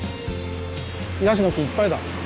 ヤシの木いっぱいだ。